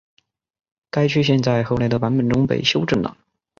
该缺陷在后来的版本中被修正了。